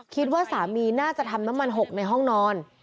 คิดว่าสามีน่าจะทำน้ำมันหกในห้องนอน